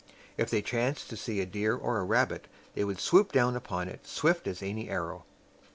If they chanced to see a deer or a rabbit, they would swoop down upon it swift as any arrow.